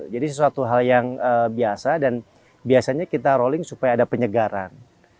jadi sesuatu hal yang biasa dan biasanya kita rolling supaya ada penyegaran